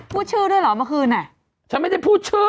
พูดชื่อด้วยเหรอเมื่อคืนอ่ะฉันไม่ได้พูดชื่อ